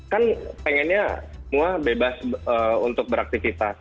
kan pengennya semua bebas untuk beraktivitas